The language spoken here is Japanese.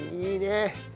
いいね！